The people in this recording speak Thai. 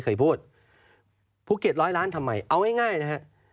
เก็บร้อยล้านทำไมเอาง่ายนะครับ